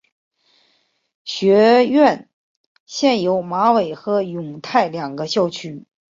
学院现有马尾和永泰两个校区。